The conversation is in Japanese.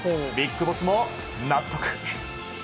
ビッグボスも納得。